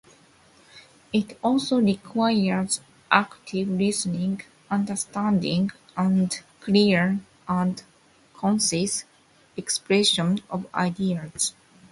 It also requires active listening, understanding, and clear and concise expression of ideas.